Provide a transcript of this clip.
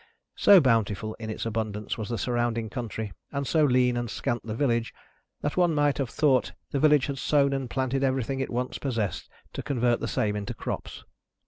So bountiful in its abundance was the surrounding country, and so lean and scant the village, that one might have thought the village had sown and planted everything it once possessed, to convert the same into crops.